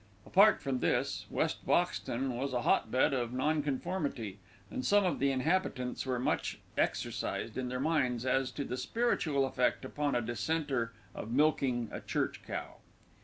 Apart from this, West Boxton was a hot bed of Nonconformity, and some of the inhabitants were much exercised in their minds as to the spiritual effect upon a Dissenter of milking a church cow.